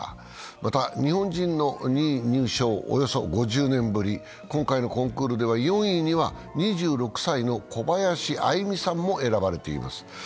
また、日本人の２位入賞、およそ５０年ぶり、今回のコンクールでは、４位には、２６歳の小林愛実さんも選ばれています。